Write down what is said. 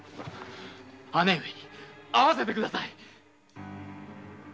姉上に会わせてください！